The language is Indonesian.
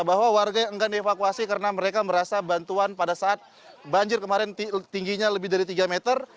bahwa warga enggan dievakuasi karena mereka merasa bantuan pada saat banjir kemarin tingginya lebih dari tiga meter